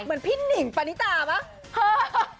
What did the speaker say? เหมือนพี่นิ่งปานิตามั้ย